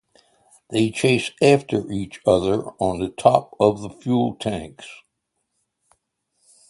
They chase after each other on the top of the fuel tanks.